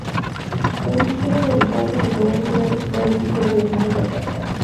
La destrucción medioambiental contemporánea sería el resultado de esa historia de dominio patriarcal.